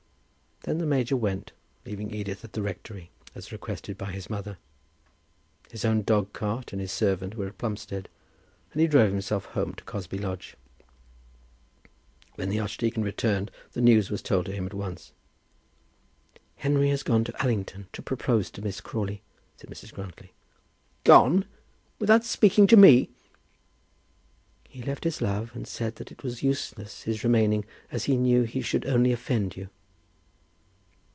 Then the major went, leaving Edith at the rectory, as requested by his mother. His own dog cart and his servant were at Plumstead, and he drove himself home to Cosby Lodge. When the archdeacon returned the news was told to him at once. "Henry has gone to Allington to propose to Miss Crawley," said Mrs. Grantly. "Gone, without speaking to me!" "He left his love, and said that it was useless his remaining, as he knew he should only offend you."